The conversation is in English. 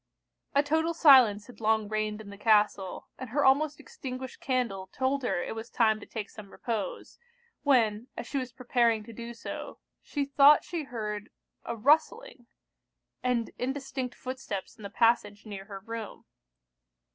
A total silence had long reigned in the castle, and her almost extinguished candle told her it was time to take some repose, when, as she was preparing to do so, she thought she heard a rustling, and indistinct footsteps in the passage near her room.